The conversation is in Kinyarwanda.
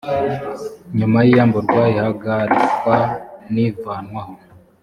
nyuma y iyamburwa ihagarikwa n ivanwaho